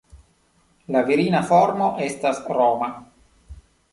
La virina formo estas Roma.